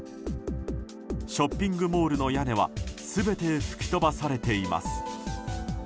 ショッピングモールの屋根は全て吹き飛ばされています。